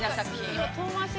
今。